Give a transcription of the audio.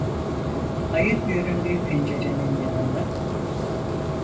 Ayın göründüğü pencerenin yanında...